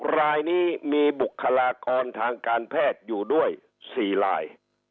รายนี้มีบุคลากรทางการแพทย์อยู่ด้วย๔ราย